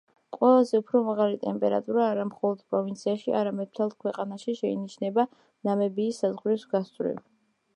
ყველაზე უფრო მაღალი ტემპერატურა, არა მხოლოდ პროვინციაში, არამედ მთელ ქვეყანაში, შეინიშნება ნამიბიის საზღვრის გასწვრივ.